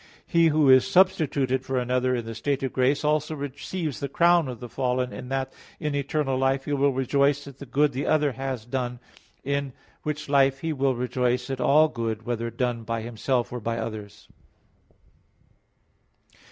He who is substituted for another in the state of grace, also receives the crown of the fallen in that in eternal life he will rejoice at the good the other has done, in which life he will rejoice at all good whether done by himself or by others.